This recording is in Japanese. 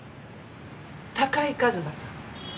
高井和馬さん